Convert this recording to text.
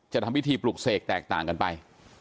ทำพิธีปลุกเสกแตกต่างกันไป